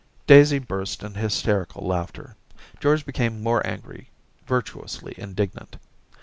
Daisy burst into hysterical laughter. George became more angry — virtuously indignant.